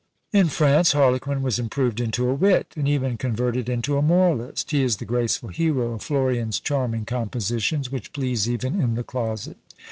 " In France Harlequin was improved into a wit, and even converted into a moralist; he is the graceful hero of Florian's charming compositions, which please even in the closet.